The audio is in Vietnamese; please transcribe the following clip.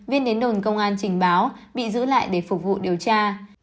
viên đến đồn công an trình báo bị giữ lại để phục vụ điều tra